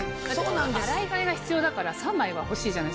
洗い替えが必要だから３枚は欲しいじゃないですか最低。